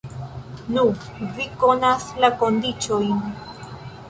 Nu, vi konas la kondiĉojn.